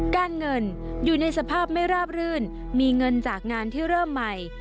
การเงินอยู่ในสภาพไม่ราบรื่นมีเงินจากงานที่เริ่มใหม่